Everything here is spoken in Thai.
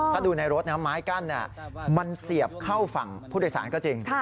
ถ้าดูในรถไม้กั้นมันเสียบเข้าฝั่งพุทธศาลก็จริง